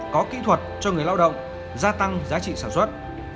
có kỹ thuật cho người lao động gia tăng giá trị sản xuất